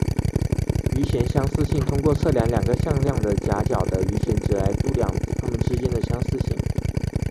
余弦相似性通过测量两个向量的夹角的余弦值来度量它们之间的相似性。